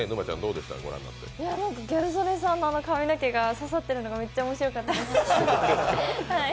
ギャル曽根さんの髪の毛が刺さってるのがめちゃめちゃ面白かったです。